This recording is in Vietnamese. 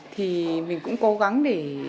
thì mình cũng cố gắng để